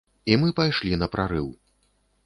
І мы пайшлі на прарыў.